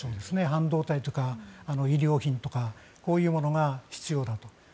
半導体とか、医療品とかこういうものが必要だと。